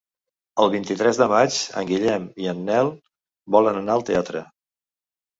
El vint-i-tres de maig en Guillem i en Nel volen anar al teatre.